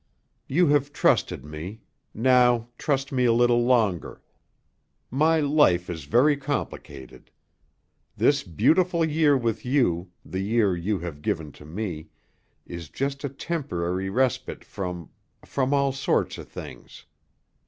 "You have trusted me; now, trust me a little longer. My life is very complicated. This beautiful year with you, the year you have given to me, is just a temporary respite from from all sorts of things.